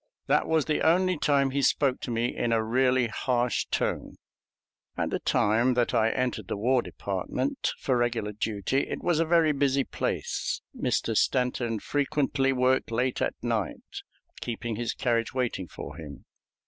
That was the only time he spoke to me in a really harsh tone. At the time that I entered the War Department for regular duty, it was a very busy place. Mr. Stanton frequently worked late at night, keeping his carriage waiting for him.